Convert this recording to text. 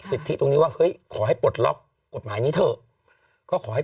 สิทธิตรงนี้ว่าเฮ้ยขอให้ปลดล็อก